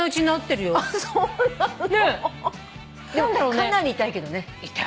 でもかなり痛いけどね。